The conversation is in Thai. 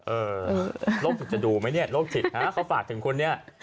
เออโรคจะดูมั้ยครับโรคติด